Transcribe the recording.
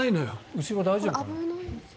後ろ、大丈夫かな。